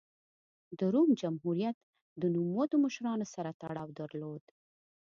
د روم جمهوریت د نوموتو مشرانو سره تړاو درلود.